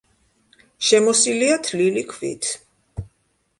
შემოსილია თლილი ქვით.